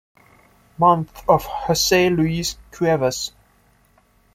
Month of Jose Luis Cuevas.